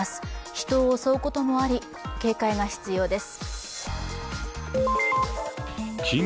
人を襲うこともあり警戒が必要です。